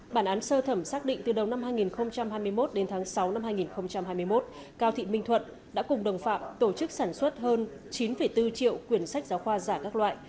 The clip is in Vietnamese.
bản án sơ thẩm xác định từ đầu năm hai nghìn hai mươi một đến tháng sáu năm hai nghìn hai mươi một cao thị minh thuận đã cùng đồng phạm tổ chức sản xuất hơn chín bốn triệu quyền sách giáo khoa giả các loại